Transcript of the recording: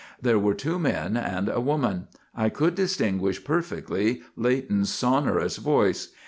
There were two men and a woman. I could distinguish perfectly Leighton's sonorous voice.